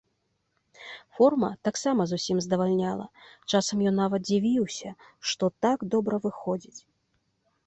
Форма таксама зусім здавальняла, часам нават ён дзівіўся, што так добра выходзіць.